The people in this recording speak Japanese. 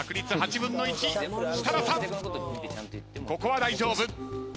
ここは大丈夫。